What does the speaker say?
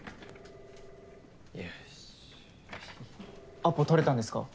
アポ取れたんですか？